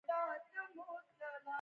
چوکۍ د صنف ترتیب ښیي.